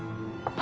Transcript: あ。